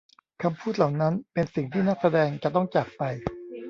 คำพูดเหล่านั้นเป็นสิ่งที่นักแสดงจะต้องจากไป